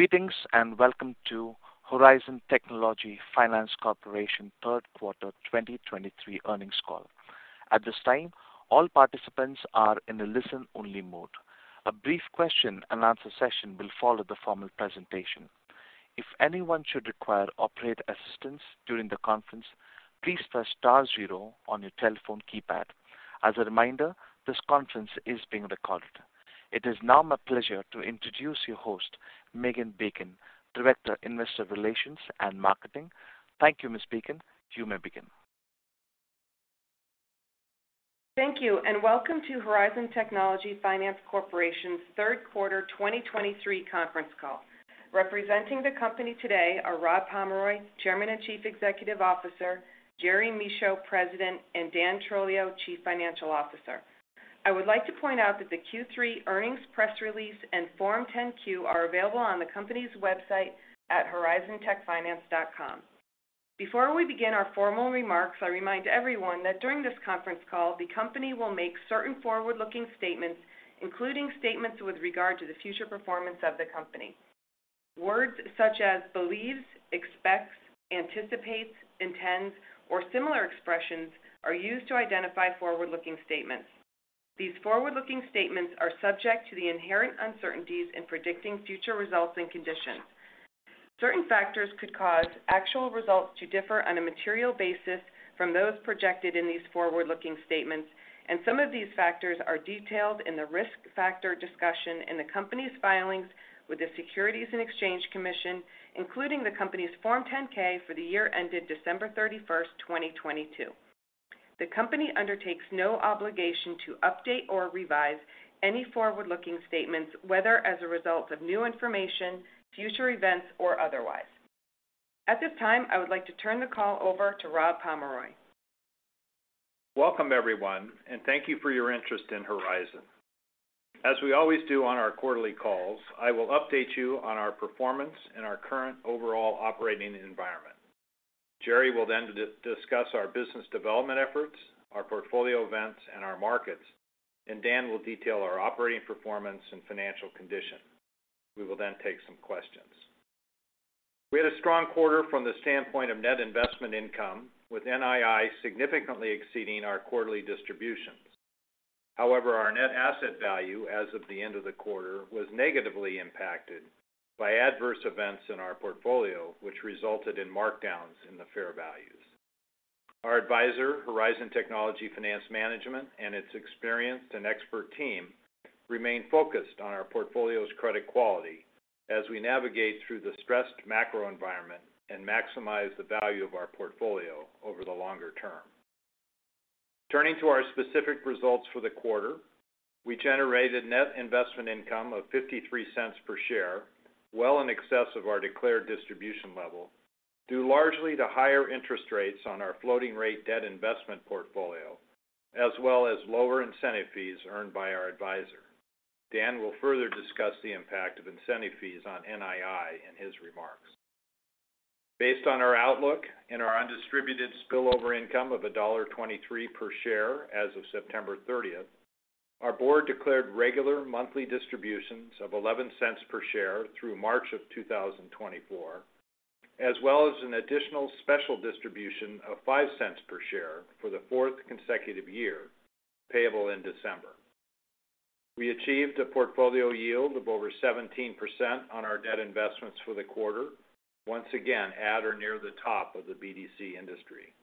Greetings, and welcome to Horizon Technology Finance Corporation third quarter 2023 earnings call. At this time, all participants are in a listen-only mode. A brief question-and-answer session will follow the formal presentation. If anyone should require operator assistance during the conference, please press star zero on your telephone keypad. As a reminder, this conference is being recorded. It is now my pleasure to introduce your host, Megan Bacon, Director, Investor Relations and Marketing. Thank you, Ms. Bacon. You may begin. Thank you, and welcome to Horizon Technology Finance Corporation's third quarter 2023 conference call. Representing the company today are Rob Pomeroy, Chairman and Chief Executive Officer, Jerry Michaud, President, and Dan Trolio, Chief Financial Officer. I would like to point out that the Q3 earnings press release and Form 10-Q are available on the company's website at horizontechfinance.com. Before we begin our formal remarks, I remind everyone that during this conference call, the company will make certain forward-looking statements, including statements with regard to the future performance of the company. Words such as believes, expects, anticipates, intends, or similar expressions are used to identify forward-looking statements. These forward-looking statements are subject to the inherent uncertainties in predicting future results and conditions. Certain factors could cause actual results to differ on a material basis from those projected in these forward-looking statements, and some of these factors are detailed in the risk factor discussion in the company's filings with the Securities and Exchange Commission, including the Company's Form 10-K for the year ended December 31, 2022. The company undertakes no obligation to update or revise any forward-looking statements, whether as a result of new information, future events, or otherwise. At this time, I would like to turn the call over to Rob Pomeroy. Welcome, everyone, and thank you for your interest in Horizon. As we always do on our quarterly calls, I will update you on our performance and our current overall operating environment. Jerry will then discuss our business development efforts, our portfolio events, and our markets, and Dan will detail our operating performance and financial condition. We will then take some questions. We had a strong quarter from the standpoint of net investment income, with NII significantly exceeding our quarterly distributions. However, our net asset value as of the end of the quarter was negatively impacted by adverse events in our portfolio, which resulted in markdowns in the fair values. Our advisor, Horizon Technology Finance Management, and its experienced and expert team, remain focused on our portfolio's credit quality as we navigate through the stressed macro environment and maximize the value of our portfolio over the longer term. Turning to our specific results for the quarter, we generated net investment income of $0.53 per share, well in excess of our declared distribution level, due largely to higher interest rates on our floating-rate debt investment portfolio, as well as lower incentive fees earned by our advisor. Dan will further discuss the impact of incentive fees on NII in his remarks. Based on our outlook and our undistributed spillover income of $1.23 per share as of September thirtieth, our board declared regular monthly distributions of $0.11 per share through March of 2024, as well as an additional special distribution of $0.05 per share for the fourth consecutive year, payable in December. We achieved a portfolio yield of over 17% on our debt investments for the quarter, once again at or near the top of the BDC industry.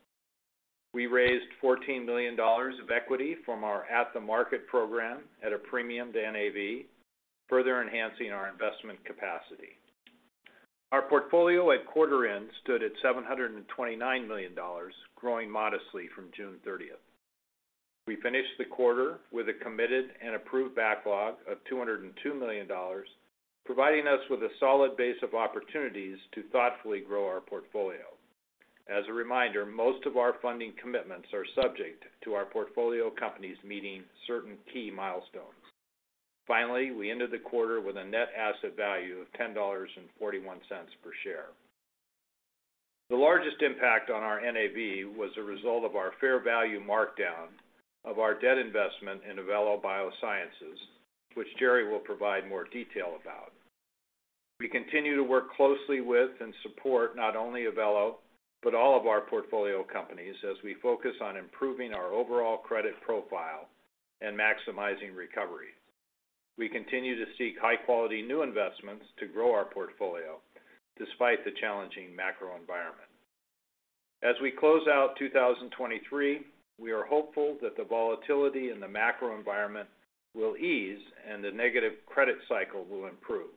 We raised $14 million of equity from our at-the-market program at a premium to NAV, further enhancing our investment capacity. Our portfolio at quarter end stood at $729 million, growing modestly from June 30. We finished the quarter with a committed and approved backlog of $202 million, providing us with a solid base of opportunities to thoughtfully grow our portfolio. As a reminder, most of our funding commitments are subject to our portfolio companies meeting certain key milestones. Finally, we ended the quarter with a net asset value of $10.41 per share. The largest impact on our NAV was a result of our fair value markdown of our debt investment in Evelo Biosciences, which Jerry will provide more detail about. We continue to work closely with and support not only Evelo, but all of our portfolio companies as we focus on improving our overall credit profile and maximizing recovery. We continue to seek high-quality new investments to grow our portfolio despite the challenging macro environment. As we close out 2023, we are hopeful that the volatility in the macro environment will ease and the negative credit cycle will improve.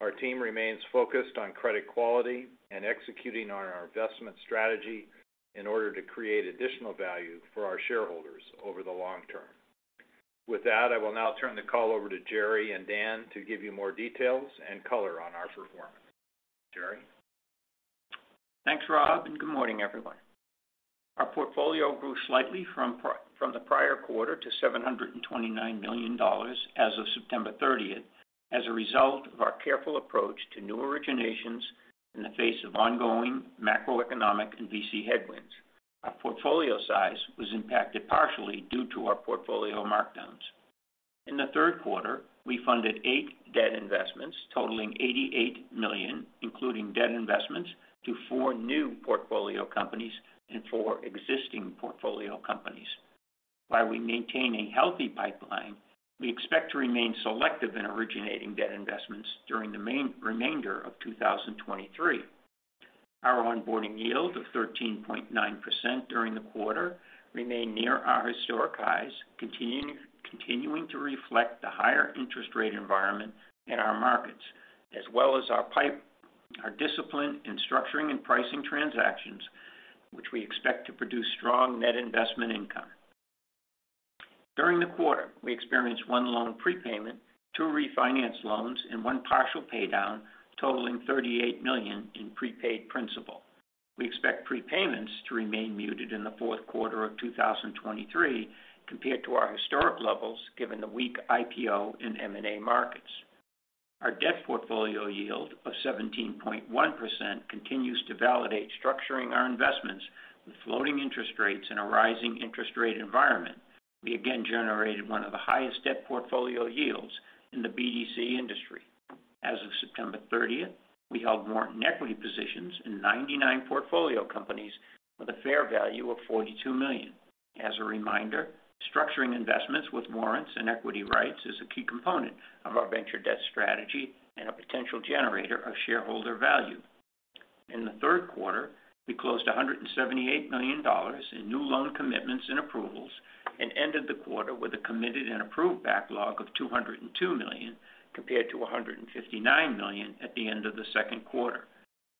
Our team remains focused on credit quality and executing on our investment strategy in order to create additional value for our shareholders over the long term. With that, I will now turn the call over to Jerry and Dan to give you more details and color on our performance. Jerry? Thanks, Rob, and good morning, everyone. Our portfolio grew slightly from from the prior quarter to $729 million as of September thirtieth, as a result of our careful approach to new originations in the face of ongoing macroeconomic and VC headwinds. Our portfolio size was impacted partially due to our portfolio markdowns. In the third quarter, we funded eight debt investments totaling $88 million, including debt investments to four new portfolio companies and four existing portfolio companies. While we maintain a healthy pipeline, we expect to remain selective in originating debt investments during the remainder of 2023. Our onboarding yield of 13.9% during the quarter remained near our historic highs, continuing to reflect the higher interest rate environment in our markets, as well as our discipline in structuring and pricing transactions, which we expect to produce strong net investment income. During the quarter, we experienced one loan prepayment, two refinance loans, and one partial paydown, totaling $38 million in prepaid principal. We expect prepayments to remain muted in the fourth quarter of 2023 compared to our historic levels, given the weak IPO and M&A markets. Our debt portfolio yield of 17.1% continues to validate structuring our investments with floating interest rates in a rising interest rate environment. We again generated one of the highest debt portfolio yields in the BDC industry. As of September 30th, we held warrant and equity positions in 99 portfolio companies with a fair value of $42 million. As a reminder, structuring investments with warrants and equity rights is a key component of our venture debt strategy and a potential generator of shareholder value. In the third quarter, we closed $178 million in new loan commitments and approvals, and ended the quarter with a committed and approved backlog of $202 million, compared to $159 million at the end of the second quarter.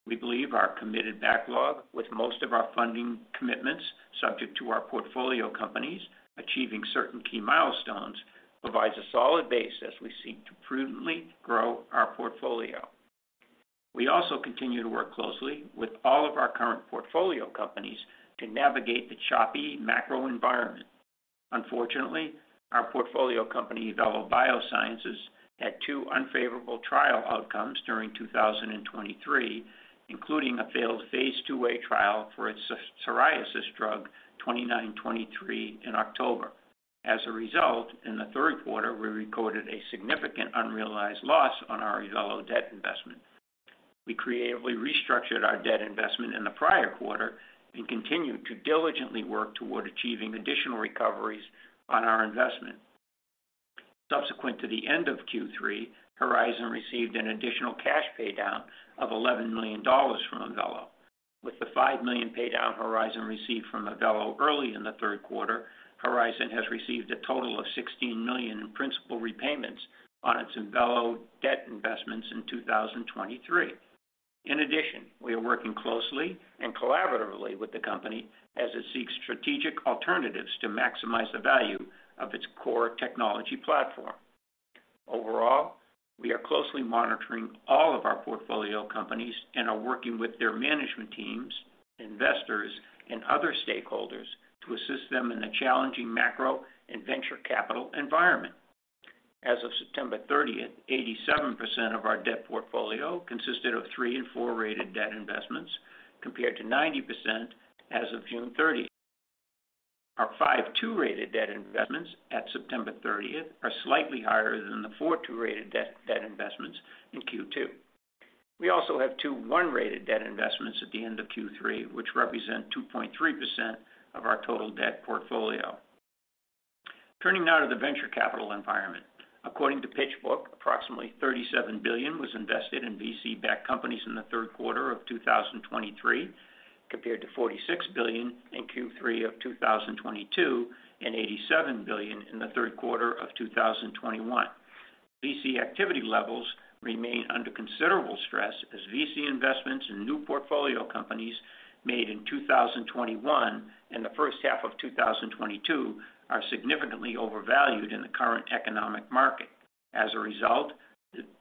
We believe our committed backlog, with most of our funding commitments subject to our portfolio companies achieving certain key milestones, provides a solid base as we seek to prudently grow our portfolio. We also continue to work closely with all of our current portfolio companies to navigate the choppy macro environment. Unfortunately, our portfolio company, Evelo Biosciences, had two unfavorable trial outcomes during 2023, including a failed Phase II trial for its psoriasis drug, 2939, in October. As a result, in the third quarter, we recorded a significant unrealized loss on our Evelo debt investment. We creatively restructured our debt investment in the prior quarter and continued to diligently work toward achieving additional recoveries on our investment. Subsequent to the end of Q3, Horizon received an additional cash paydown of $11 million from Evelo. With the $5 million paydown Horizon received from Evelo early in the third quarter, Horizon has received a total of $16 million in principal repayments on its Evelo debt investments in 2023. In addition, we are working closely and collaboratively with the company as it seeks strategic alternatives to maximize the value of its core technology platform. Overall, we are closely monitoring all of our portfolio companies and are working with their management teams, investors, and other stakeholders to assist them in a challenging macro and venture capital environment. As of September 30, 87% of our debt portfolio consisted of three and 4-rated debt investments, compared to 90% as of June 30. Our five 2-rated debt investments at September 30 are slightly higher than the four 2-rated debt investments in Q2. We also have two 1-rated debt investments at the end of Q3, which represent 2.3% of our total debt portfolio. Turning now to the venture capital environment. According to PitchBook, approximately $37 billion was invested in VC-backed companies in the third quarter of 2023, compared to $46 billion in Q3 of 2022, and $87 billion in the third quarter of 2021. VC activity levels remain under considerable stress, as VC investments in new portfolio companies made in 2021 and the first half of 2022 are significantly overvalued in the current economic market. As a result,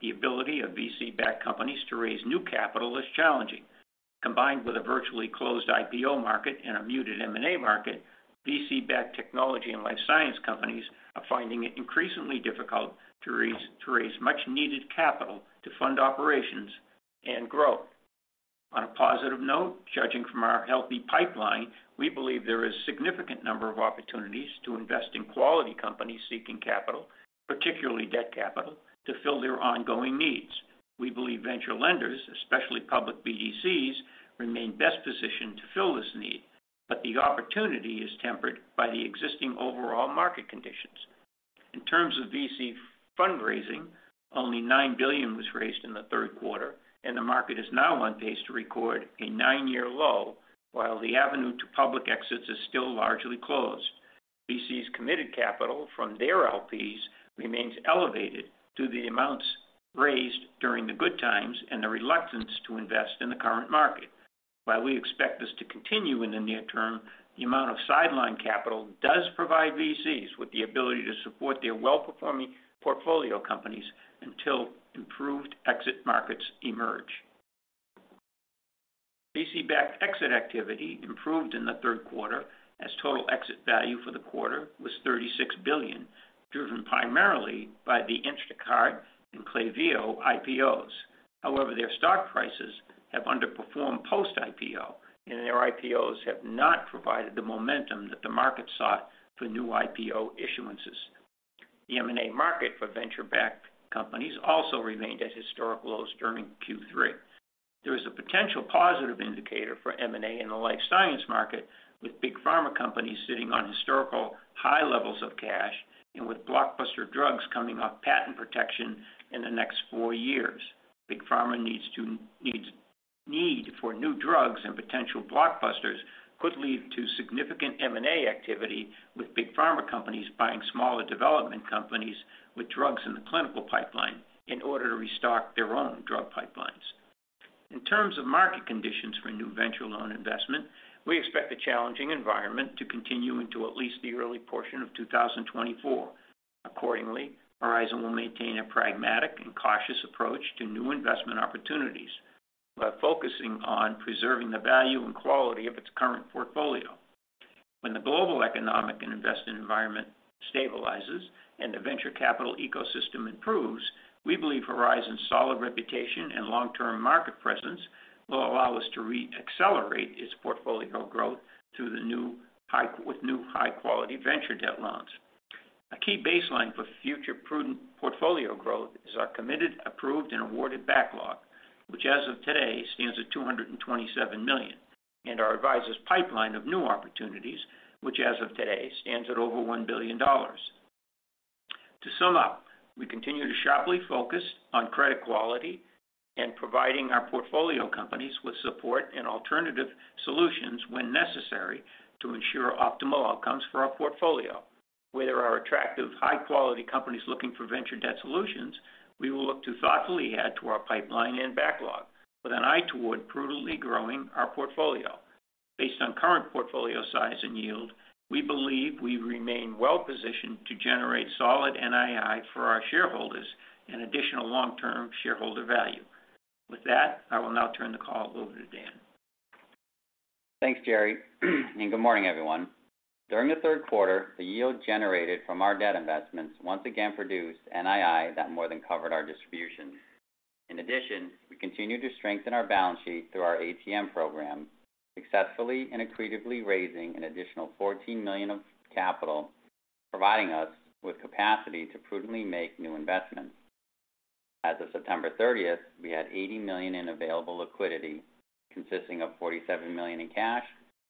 the ability of VC-backed companies to raise new capital is challenging. Combined with a virtually closed IPO market and a muted M&A market, VC-backed technology and life science companies are finding it increasingly difficult to raise much-needed capital to fund operations and grow. On a positive note, judging from our healthy pipeline, we believe there is a significant number of opportunities to invest in quality companies seeking capital, particularly debt capital, to fill their ongoing needs. We believe venture lenders, especially public BDCs, remain best positioned to fill this need, but the opportunity is tempered by the existing overall market conditions. In terms of VC fundraising, only $9 billion was raised in the third quarter, and the market is now on pace to record a nine-year low, while the avenue to public exits is still largely closed. VCs' committed capital from their LPs remains elevated due to the amounts raised during the good times and the reluctance to invest in the current market. While we expect this to continue in the near term, the amount of sidelined capital does provide VCs with the ability to support their well-performing portfolio companies until improved exit markets emerge. VC-backed exit activity improved in the third quarter, as total exit value for the quarter was $36 billion, driven primarily by the Instacart and Klaviyo IPOs. However, their stock prices have underperformed post-IPO, and their IPOs have not provided the momentum that the market sought for new IPO issuances. The M&A market for venture-backed companies also remained at historic lows during Q3. There is a potential positive indicator for M&A in the life science market, Big Pharma companies sitting on historically high levels of cash and with blockbuster drugs coming off patent protection in the next four years. Big Pharma needs a need for new drugs and potential blockbusters could lead to significant M&A activity, Big Pharma companies buying smaller development companies with drugs in the clinical pipeline in order to restock their own drug pipelines. In terms of market conditions for new venture loan investment, we expect a challenging environment to continue into at least the early portion of 2024. Accordingly, Horizon will maintain a pragmatic and cautious approach to new investment opportunities, by focusing on preserving the value and quality of its current portfolio. When the global economic and investment environment stabilizes and the venture capital ecosystem improves, we believe Horizon's solid reputation and long-term market presence will allow us to re-accelerate its portfolio growth through new high-quality venture debt loans. A key baseline for future prudent portfolio growth is our committed, approved, and awarded backlog, which, as of today, stands at $227 million, and our adviser's pipeline of new opportunities, which, as of today, stands at over $1 billion. To sum up, we continue to sharply focus on credit quality and providing our portfolio companies with support and alternative solutions when necessary to ensure optimal outcomes for our portfolio. Where there are attractive, high-quality companies looking for venture debt solutions, we will look to thoughtfully add to our pipeline and backlog with an eye toward prudently growing our portfolio. Based on current portfolio size and yield, we believe we remain well positioned to generate solid NII for our shareholders and additional long-term shareholder value. With that, I will now turn the call over to Dan. Thanks, Jerry, and good morning, everyone. During the third quarter, the yield generated from our debt investments once again produced NII that more than covered our distribution. In addition, we continued to strengthen our balance sheet through our ATM program, successfully and accretively raising an additional $14 million of capital, providing us with capacity to prudently make new investments. As of September thirtieth, we had $80 million in available liquidity, consisting of $47 million in cash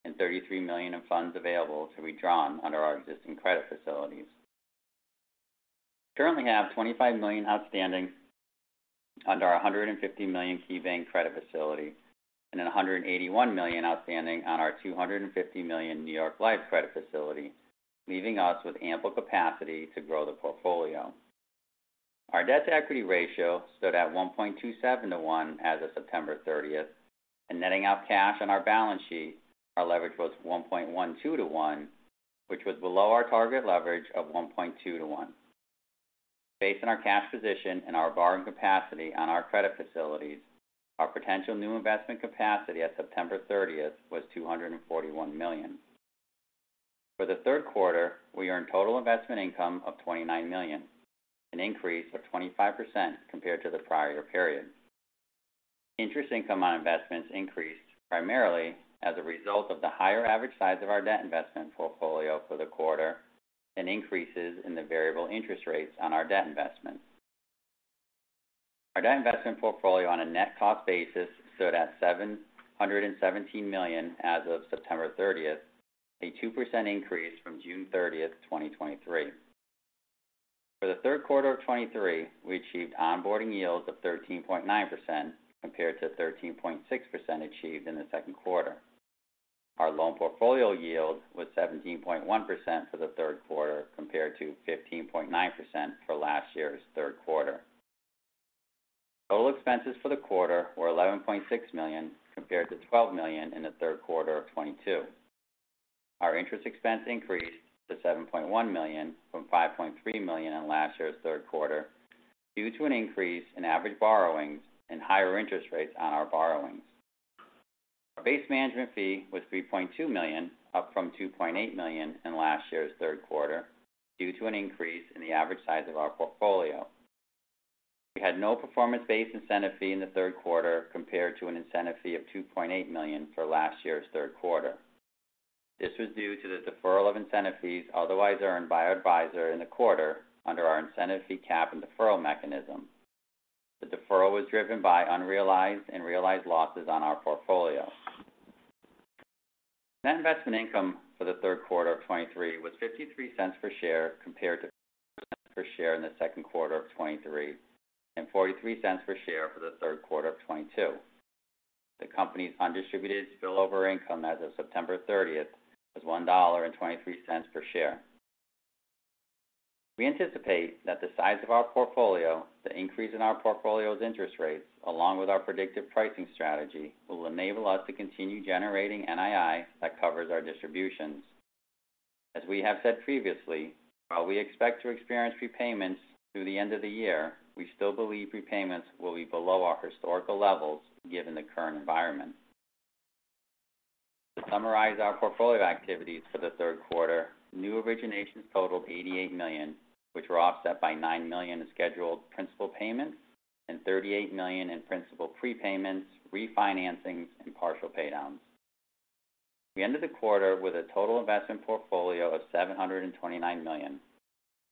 and $33 million in funds available to be drawn under our existing credit facilities. We currently have $25 million outstanding under our $150 million KeyBank credit facility and then $181 million outstanding on our $250 million New York Life credit facility, leaving us with ample capacity to grow the portfolio. Our debt-to-equity ratio stood at 1.27-1 as of September 30, and netting out cash on our balance sheet, our leverage was 1.12-1, which was below our target leverage of 1.2-1. Based on our cash position and our borrowing capacity on our credit facilities, our potential new investment capacity at September 30 was $241 million. For the third quarter, we earned total investment income of $29 million, an increase of 25% compared to the prior period. Interest income on investments increased primarily as a result of the higher average size of our debt investment portfolio for the quarter and increases in the variable interest rates on our debt investments. Our debt investment portfolio, on a net cost basis, stood at $717 million as of September 30, a 2% increase from June 30, 2023. For the third quarter of 2023, we achieved onboarding yields of 13.9%, compared to 13.6% achieved in the second quarter. Our loan portfolio yield was 17.1% for the third quarter, compared to 15.9% for last year's third quarter. Total expenses for the quarter were $11.6 million, compared to $12 million in the third quarter of 2022. Our interest expense increased to $7.1 million, from $5.3 million in last year's third quarter, due to an increase in average borrowings and higher interest rates on our borrowings. Our base management fee was $3.2 million, up from $2.8 million in last year's third quarter, due to an increase in the average size of our portfolio. We had no performance-based incentive fee in the third quarter, compared to an incentive fee of $2.8 million for last year's third quarter. This was due to the deferral of incentive fees otherwise earned by our advisor in the quarter under our incentive fee cap and deferral mechanism. The deferral was driven by unrealized and realized losses on our portfolio. Net investment income for the third quarter of 2023 was $0.53 per share, compared to per share in the second quarter of 2023, and $0.43 per share for the third quarter of 2022. The company's undistributed spillover income as of September 30 was $1.23 per share. We anticipate that the size of our portfolio, the increase in our portfolio's interest rates, along with our predictive pricing strategy, will enable us to continue generating NII that covers our distributions. As we have said previously, while we expect to experience prepayments through the end of the year, we still believe prepayments will be below our historical levels, given the current environment. To summarize our portfolio of activities for the third quarter, new originations totaled $88 million, which were offset by $9 million in scheduled principal payments and $38 million in principal prepayments, refinancing, and partial paydowns. We ended the quarter with a total investment portfolio of $729 million.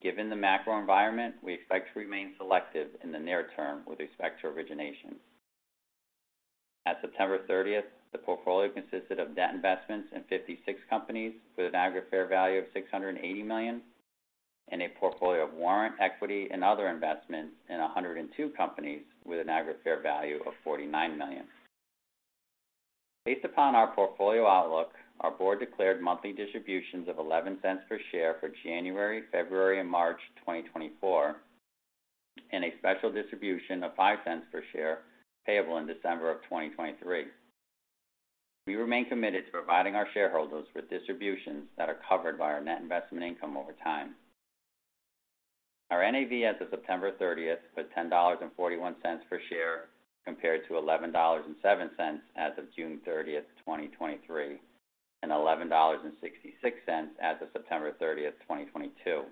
Given the macro environment, we expect to remain selective in the near term with respect to origination. At September 30, the portfolio consisted of debt investments in 56 companies, with an aggregate fair value of $680 million, and a portfolio of warrant, equity, and other investments in 102 companies with an aggregate fair value of $49 million. Based upon our portfolio outlook, our board declared monthly distributions of $0.11 per share for January, February, and March 2024, and a special distribution of $0.05 per share payable in December 2023. We remain committed to providing our shareholders with distributions that are covered by our net investment income over time. Our NAV as of September 30 was $10.41 per share, compared to $11.07 as of June 30, 2023, and $11.66 as of September 30, 2022.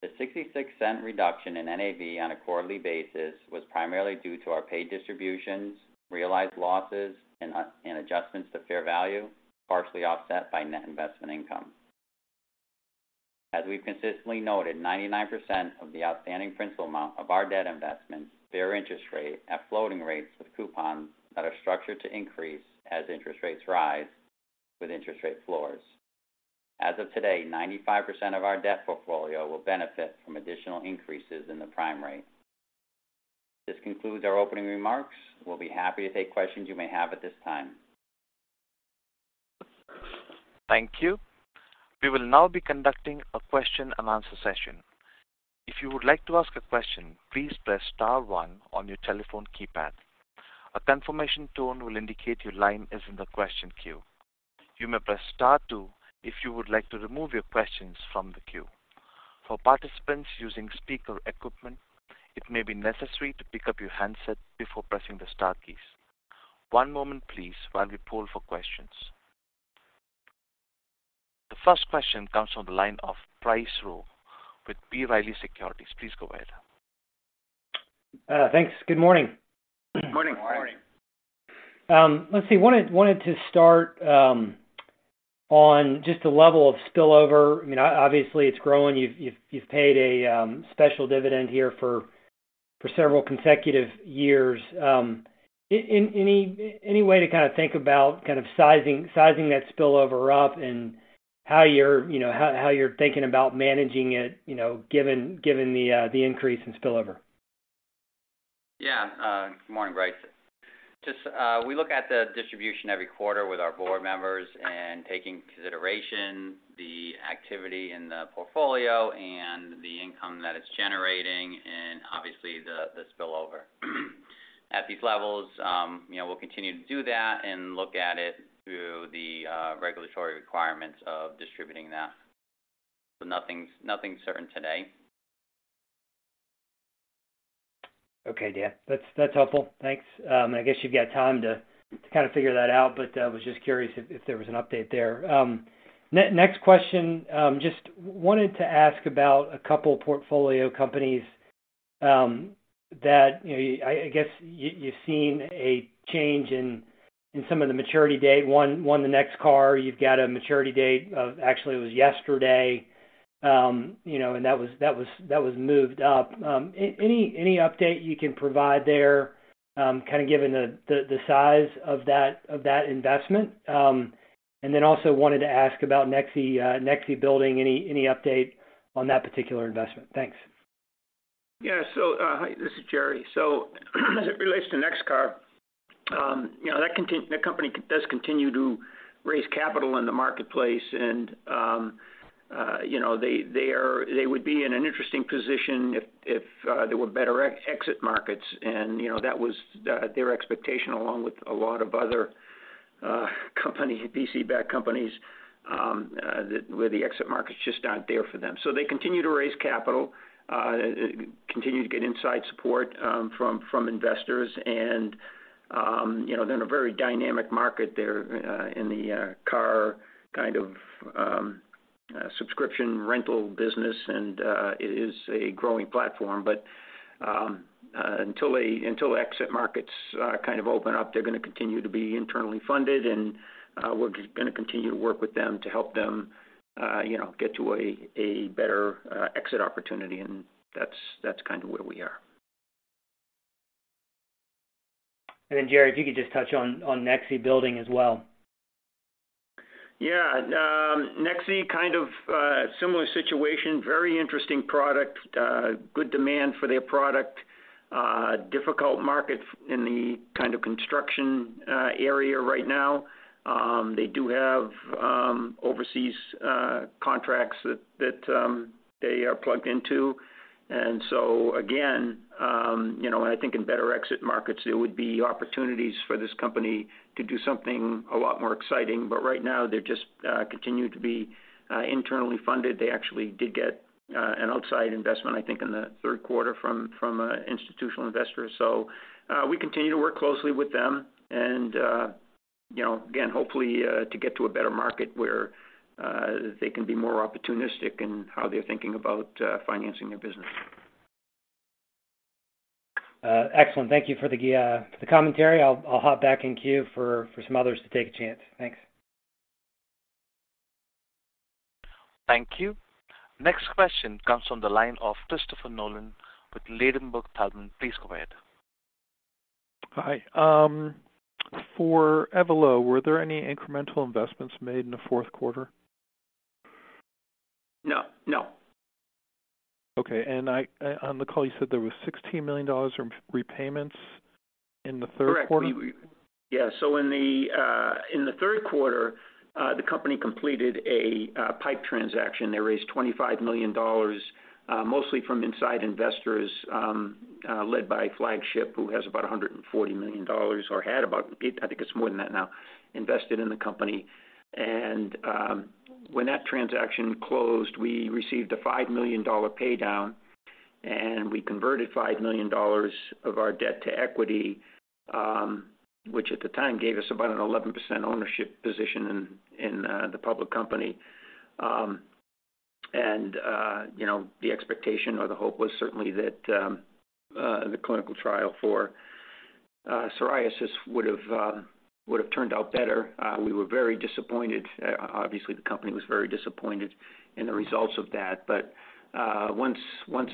The $0.66 reduction in NAV on a quarterly basis was primarily due to our paid distributions, realized losses, and, and adjustments to fair value, partially offset by net investment income. As we've consistently noted, 99% of the outstanding principal amount of our debt investments bear interest rate at floating rates, with coupons that are structured to increase as interest rates rise with interest rate floors. As of today, 95% of our debt portfolio will benefit from additional increases in the prime rate. This concludes our opening remarks. We'll be happy to take questions you may have at this time. Thank you. We will now be conducting a question-and-answer session. If you would like to ask a question, please press star one on your telephone keypad. A confirmation tone will indicate your line is in the question queue. You may press star two if you would like to remove your questions from the queue. For participants using speaker equipment, it may be necessary to pick up your handset before pressing the star keys. One moment please, while we poll for questions. The first question comes from the line of Bryce Rowe with B. Riley Securities. Please go ahead. Thanks. Good morning. Good morning. Good morning. Let's see. Wanted to start on just the level of spillover. I mean, obviously, it's growing. You've paid a special dividend here for several consecutive years. Any way to kind of think about kind of sizing that spillover up and how you're, you know, how you're thinking about managing it, you know, given the increase in spillover? Yeah. Good morning, Bryce. Just, we look at the distribution every quarter with our board members and take into consideration the activity in the portfolio and the income that it's generating and obviously, the spillover. At these levels, you know, we'll continue to do that and look at it through the regulatory requirements of distributing that. So nothing's certain today. Okay, Dan. That's, that's helpful. Thanks. I guess you've got time to, to kind of figure that out, but was just curious if, if there was an update there. Next question. Just wanted to ask about a couple portfolio companies, that, you know, I, I guess you, you've seen a change in, in some of the maturity date. One, NXCR, you've got a maturity date of-- actually, it was yesterday. You know, and that was, that was, that was moved up. Any, any update you can provide there, kind of given the, the, the size of that, of that investment? And then also wanted to ask about Nexii Building. Any, any update on that particular investment? Thanks. Yeah. So, Hi, this is Jerry. So, as it relates to NXCR, you know, that company does continue to raise capital in the marketplace and, you know, they would be in an interesting position if, if, there were better exit markets. And, you know, that was their expectation, along with a lot of other companies, VC-backed companies, that where the exit markets just aren't there for them. So they continue to raise capital, continue to get inside support from investors. And, you know, they're in a very dynamic market there, in the car kind of subscription rental business, and it is a growing platform. Until the exit markets kind of open up, they're gonna continue to be internally funded, and we're just gonna continue to work with them to help them, you know, get to a better exit opportunity. And that's kind of where we are. And then, Jerry, if you could just touch on Nexii Building as well. Yeah, Nexii, kind of, similar situation, very interesting product, good demand for their product. Difficult market in the kind of construction area right now. They do have overseas contracts that they are plugged into. And so again, you know, I think in better exit markets, there would be opportunities for this company to do something a lot more exciting. But right now, they're just continue to be internally funded. They actually did get an outside investment, I think, in the third quarter from institutional investors. So, we continue to work closely with them, and you know, again, hopefully to get to a better market where they can be more opportunistic in how they're thinking about financing their business. Excellent. Thank you for the, the commentary. I'll, I'll hop back in queue for, for some others to take a chance. Thanks. Thank you. Next question comes from the line of Christopher Nolan with Ladenburg Thalmann. Please go ahead. Hi. For Evelo, were there any incremental investments made in the fourth quarter? No, no. Okay. On the call, you said there was $16 million in repayments in the third quarter? Correct. Yeah, so in the third quarter, the company completed a PIPE transaction. They raised $25 million, mostly from inside investors, led by Flagship, who has about $140 million, or had about, I think it's more than that now, invested in the company. When that transaction closed, we received a $5 million pay down, and we converted $5 million of our debt to equity, which at the time, gave us about an 11% ownership position in the public company. You know, the expectation or the hope was certainly that the clinical trial for psoriasis would've turned out better. We were very disappointed. Obviously, the company was very disappointed in the results of that. But, once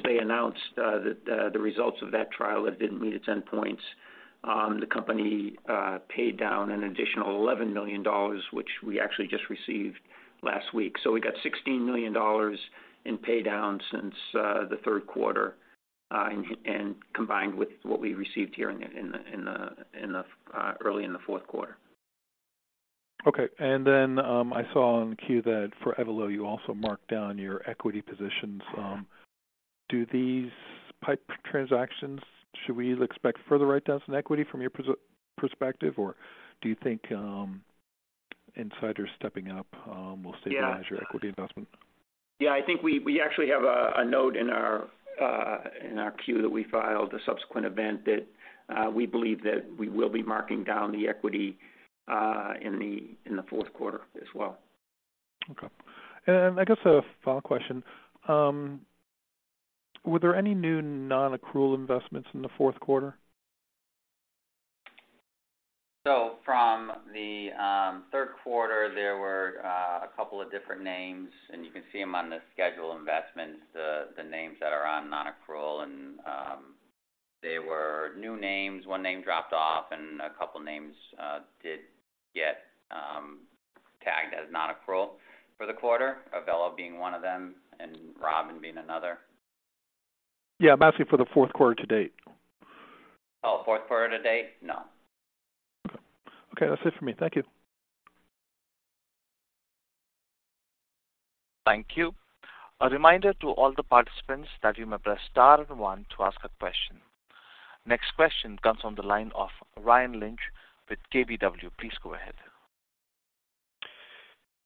they announced the results of that trial, it didn't meet its endpoints, the company paid down an additional $11 million, which we actually just received last week. So we got $16 million in pay down since the third quarter, and combined with what we received here in the early in the fourth quarter. Okay. I saw on the Q that for Evelo, you also marked down your equity positions. Do these PIPE transactions, should we expect further write-downs in equity from your perspective, or do you think insiders stepping up will stabilize- Yeah your equity investment? Yeah, I think we actually have a note in our Q that we filed a subsequent event that we believe that we will be marking down the equity in the fourth quarter as well. Okay. And I guess a final question. Were there any new non-accrual investments in the fourth quarter? So from the third quarter, there were a couple of different names, and you can see them on the schedule investments, the names that are on non-accrual, and they were new names. One name dropped off, and a couple names did get tagged as non-accrual for the quarter, Evelo being one of them and Rumby being another. Yeah, I'm asking for the fourth quarter to date. Oh, fourth quarter to date? No. Okay. Okay, that's it for me. Thank you. Thank you. A reminder to all the participants that you may press star one to ask a question. Next question comes from the line of Ryan Lynch with KBW. Please go ahead.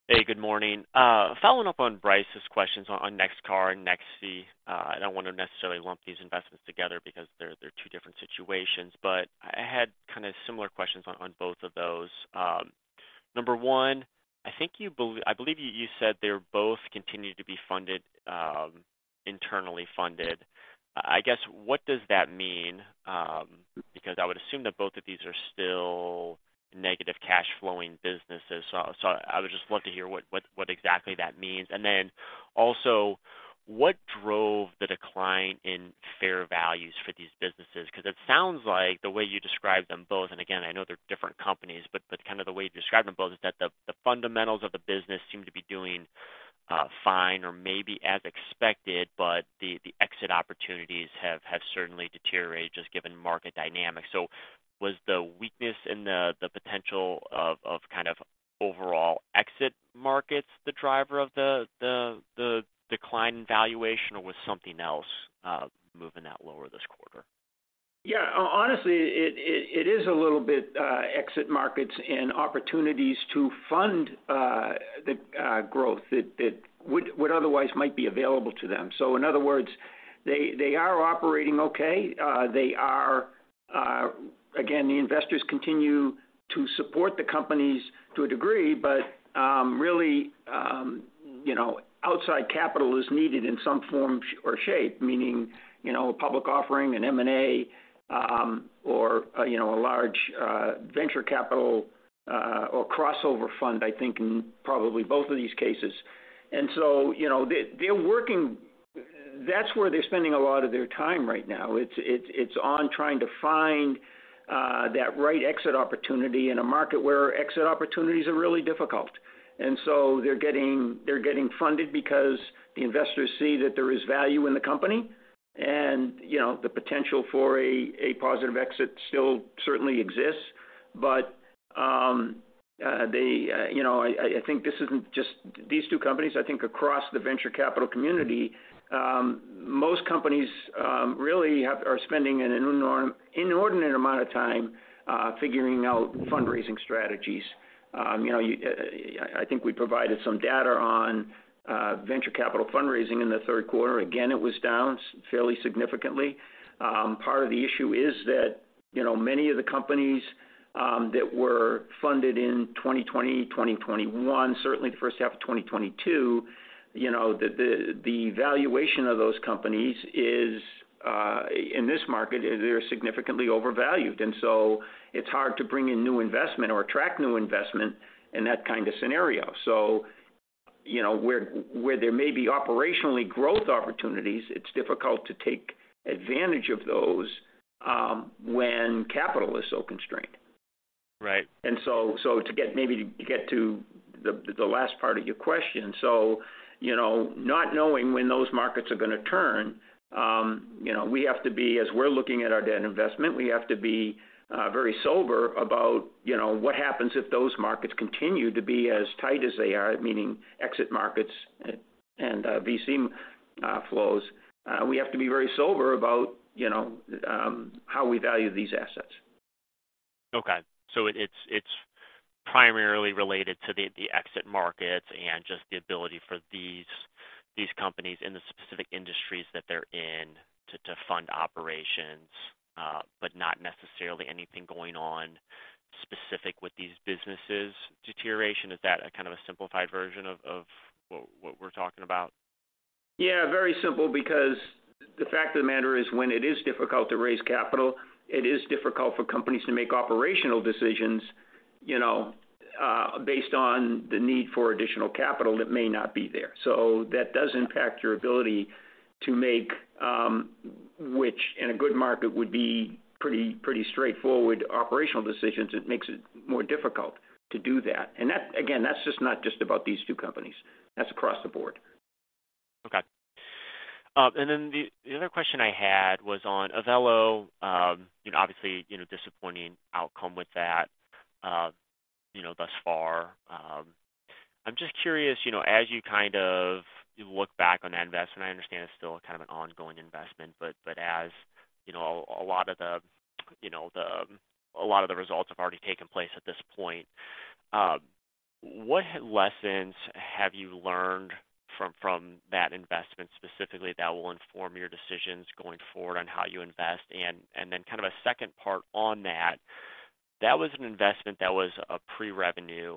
Hey, good morning. Following up on Bryce's questions on NXCR and Nexii, I don't want to necessarily lump these investments together because they're, they're two different situations, but I had kind of similar questions on, on both of those. Number one, I think I believe you, you said they both continued to be funded, internally funded. I guess, what does that mean? Because I would assume that both of these are still negative cash flowing businesses. So I would just love to hear what, what, what exactly that means. And then also, what drove the decline in fair values for these businesses? Because it sounds like the way you describe them both, and again, I know they're different companies, but, but kind of the way you're describing both is that the, the fundamentals of the business seem to be doing, fine or maybe as expected, but the, the exit opportunities have, have certainly deteriorated, just given market dynamics. So was the weakness in the, the potential of, of kind of overall exit markets the driver of the, the, the decline in valuation, or was something else, moving that lower this quarter? Yeah, honestly, it is a little bit exit markets and opportunities to fund the growth that would otherwise might be available to them. So in other words, they are operating okay. Again, the investors continue to support the companies to a degree, but really, you know, outside capital is needed in some form or shape, meaning, you know, a public offering, an M&A, or, you know, a large venture capital or crossover fund, I think in probably both of these cases. And so, you know, they're working. That's where they're spending a lot of their time right now. It's on trying to find that right exit opportunity in a market where exit opportunities are really difficult. So they're getting funded because the investors see that there is value in the company. And, you know, the potential for a positive exit still certainly exists, but they, you know, I think this isn't just these two companies. I think across the venture capital community, most companies really have-- are spending an inordinate amount of time figuring out fundraising strategies. You know, I think we provided some data on venture capital fundraising in the third quarter. Again, it was down fairly significantly. Part of the issue is that, you know, many of the companies that were funded in 2020, 2021, certainly the first half of 2022, you know, the valuation of those companies is, in this market, they're significantly overvalued. So it's hard to bring in new investment or attract new investment in that kind of scenario. So, you know, where there may be operationally growth opportunities, it's difficult to take advantage of those, when capital is so constrained. Right. So, to get to the last part of your question, so, you know, not knowing when those markets are gonna turn, you know, we have to be, as we're looking at our debt investment, we have to be very sober about, you know, what happens if those markets continue to be as tight as they are, meaning exit markets and VC flows. We have to be very sober about, you know, how we value these assets. Okay. So it's primarily related to the exit markets and just the ability for these companies in the specific industries that they're in to fund operations, but not necessarily anything going on specific with these businesses' deterioration. Is that a kind of a simplified version of what we're talking about? Yeah, very simple, because the fact of the matter is, when it is difficult to raise capital, it is difficult for companies to make operational decisions, you know, based on the need for additional capital that may not be there. So that does impact your ability to make, which in a good market would be pretty, pretty straightforward operational decisions, it makes it more difficult to do that. And that, again, that's just not just about these two companies. That's across the board. Okay. And then the other question I had was on Evelo. You know, obviously, you know, disappointing outcome with that, you know, thus far. I'm just curious, you know, as you kind of look back on that investment, I understand it's still kind of an ongoing investment, but, but as, you know, a lot of the results have already taken place at this point, what lessons have you learned from, from that investment specifically that will inform your decisions going forward on how you invest? And then kind of a second part on that, that was an investment that was a pre-revenue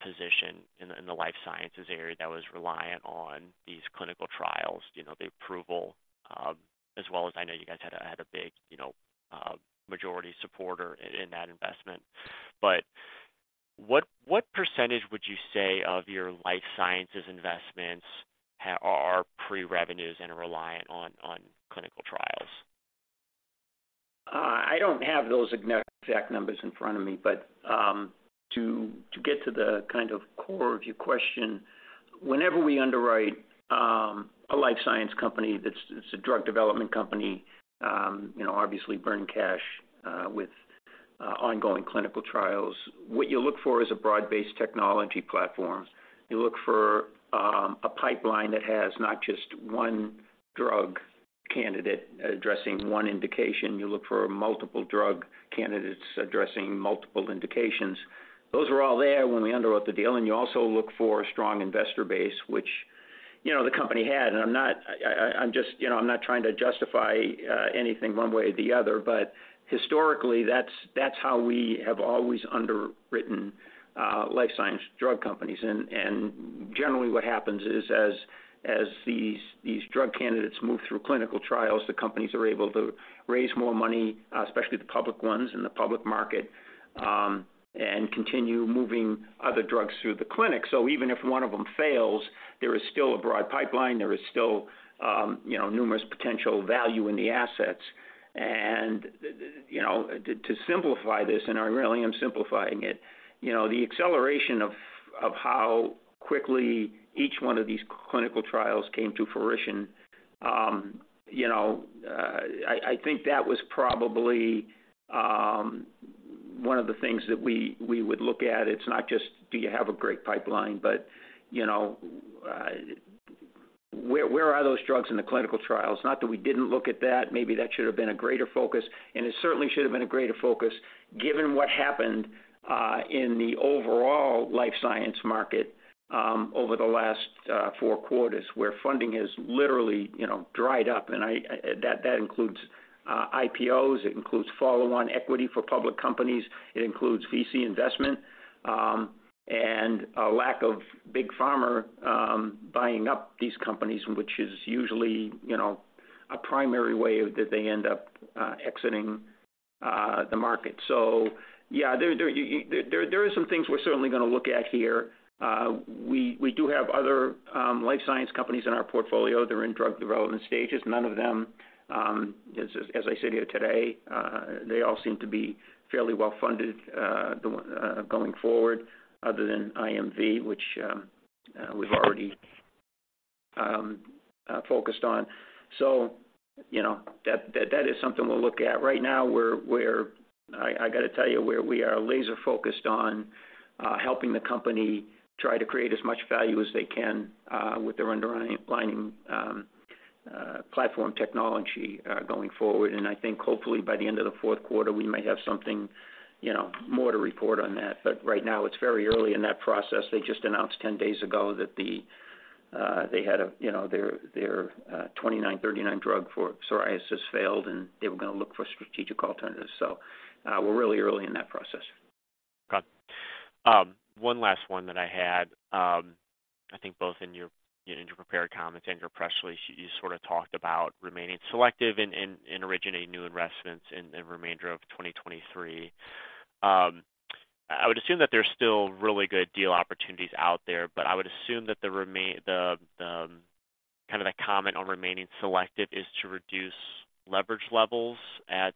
position in the life sciences area that was reliant on these clinical trials, you know, the approval, as well as I know you guys had a big majority supporter in that investment. But what percentage would you say of your life sciences investments are pre-revenues and reliant on clinical trials? I don't have those exact numbers in front of me, but, to, to get to the kind of core of your question, whenever we underwrite, a life science company that's, it's a drug development company, you know, obviously burn cash, with, ongoing clinical trials, what you look for is a broad-based technology platform. You look for, a pipeline that has not just one drug candidate addressing one indication. You look for multiple drug candidates addressing multiple indications. Those were all there when we underwrote the deal, and you also look for a strong investor base, which, you know, the company had. And I'm not, I, I, I'm just- you know, I'm not trying to justify, anything one way or the other, but historically, that's, that's how we have always underwritten, life science drug companies. Generally, what happens is, as these drug candidates move through clinical trials, the companies are able to raise more money, especially the public ones in the public market, and continue moving other drugs through the clinic. So even if one of them fails, there is still a broad pipeline, there is still, you know, numerous potential value in the assets. And, you know, to simplify this, and I really am simplifying it, you know, the acceleration of how quickly each one of these clinical trials came to fruition, you know, I think that was probably one of the things that we would look at. It's not just do you have a great pipeline, but, you know, where are those drugs in the clinical trials? Not that we didn't look at that. Maybe that should have been a greater focus, and it certainly should have been a greater focus given what happened in the overall life science market over the last four quarters, where funding has literally, you know, dried up. And that includes IPOs, it includes follow-on equity for public companies, it includes VC investment, and a lack Big Pharma buying up these companies, which is usually, you know, a primary way that they end up exiting the market. So yeah, there are some things we're certainly gonna look at here. We do have other life science companies in our portfolio. They're in drug development stages. None of them, as I sit here today, they all seem to be fairly well funded going forward, other than IMV, which we've already focused on. So, you know, that is something we'll look at. Right now, we're laser focused on helping the company try to create as much value as they can with their underlying platform technology going forward. And I think hopefully by the end of the fourth quarter, we may have something, you know, more to report on that. But right now, it's very early in that process. They just announced 10 days ago that they had, you know, their 2939 drug for psoriasis failed, and they were gonna look for strategic alternatives. We're really early in that process. Got it. One last one that I had. I think both in your prepared comments and your press release, you sort of talked about remaining selective in originating new investments in the remainder of 2023. I would assume that there's still really good deal opportunities out there, but I would assume that the kind of the comment on remaining selective is to reduce leverage levels at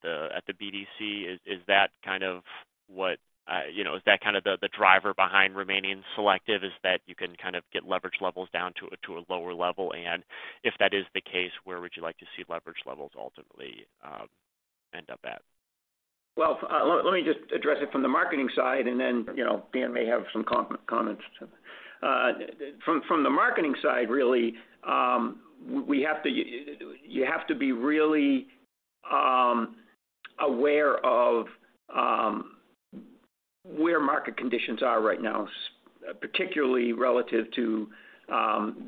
the BDC. Is that kind of what you know, is that kind of the driver behind remaining selective, is that you can kind of get leverage levels down to a lower level? And if that is the case, where would you like to see leverage levels ultimately end up at? Well, let me just address it from the marketing side, and then, you know, Dan may have some comments. From the marketing side, really, we have to—you have to be really aware of where market conditions are right now, particularly relative to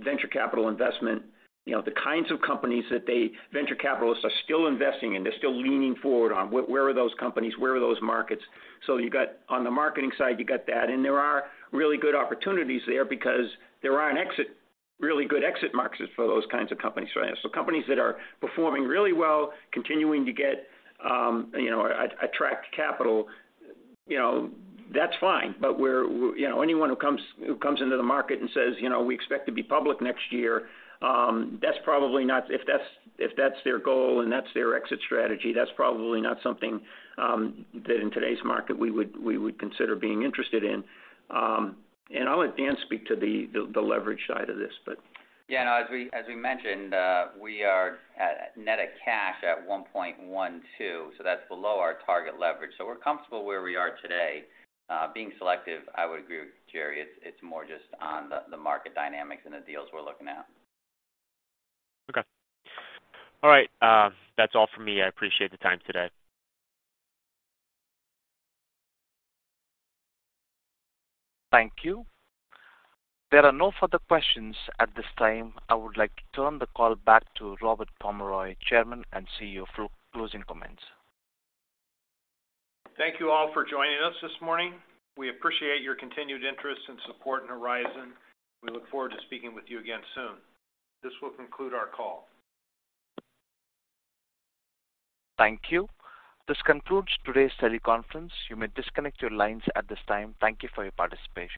venture capital investment. You know, the kinds of companies that they, venture capitalists, are still investing in, they're still leaning forward on. Where are those companies? Where are those markets? So you've got—on the marketing side, you got that, and there are really good opportunities there because there are an exit, really good exit markets for those kinds of companies right now. So companies that are performing really well, continuing to get, you know, attract capital, you know, that's fine. But we're, you know, anyone who comes into the market and says, "You know, we expect to be public next year," that's probably not—if that's their goal and that's their exit strategy, that's probably not something that in today's market we would consider being interested in. And I'll let Dan speak to the leverage side of this, but- Yeah, as we, as we mentioned, we are at net of cash at 1.12, so that's below our target leverage. So we're comfortable where we are today. Being selective, I would agree with Jerry. It's, it's more just on the, the market dynamics and the deals we're looking at. Okay. All right, that's all for me. I appreciate the time today. Thank you. There are no further questions at this time. I would like to turn the call back to Robert Pomeroy, Chairman and CEO, for closing comments. Thank you all for joining us this morning. We appreciate your continued interest and support in Horizon. We look forward to speaking with you again soon. This will conclude our call. Thank you. This concludes today's teleconference. You may disconnect your lines at this time. Thank you for your participation.